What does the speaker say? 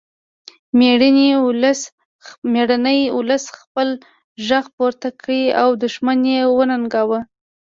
میړني ولس خپل غږ پورته کړ او دښمن یې وننګاوه